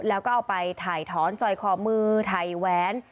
แล้วก็เอาไปถ่ายถอนจอยคอมือถ่ายแหวน